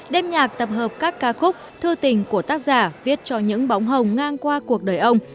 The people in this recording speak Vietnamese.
đêm nhạc tập hợp các ca khúc thư tình của tác giả viết cho những bóng hồng ngang qua cuộc đời ông